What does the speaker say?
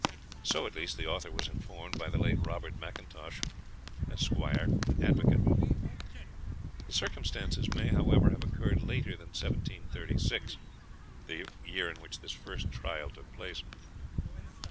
So at least the author was informed by the late Robert MacIntosh, Esq., advocate. The circumstance may, however, have occurred later than 1736 the year in which this first trial took place.